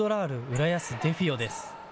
浦安デフィオです。